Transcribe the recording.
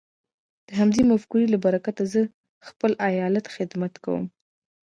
د همدې مفکورې له برکته زه د خپل ايالت خدمت کوم.